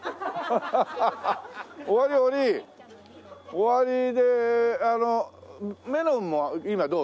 終わりであのメロンも今どう？